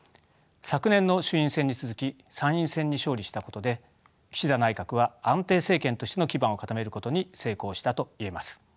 昨年の衆院選に続き参院選に勝利したことで岸田内閣は安定政権としての基盤を固めることに成功したといえます。